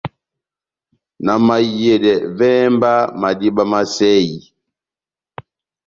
Na mahiyedɛ, vɛ́hɛ mba madíma má sɛyi !